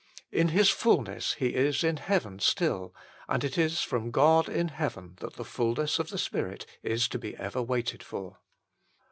In His fulness He is in heaven still ; and it is from God in heaven that the fulness of the Spirit is to be ever waited for.